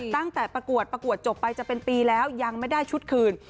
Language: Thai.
ประกวดประกวดจบไปจะเป็นปีแล้วยังไม่ได้ชุดคืน